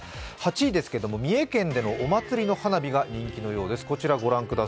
８位ですけれども、三重県でのお祭りの花火が人気のようです。